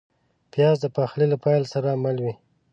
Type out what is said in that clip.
پیاز د پخلي له پیل سره مل وي